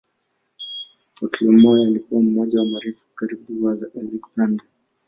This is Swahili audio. Ptolemaio alikuwa mmoja wa marafiki wa karibu wa Aleksander.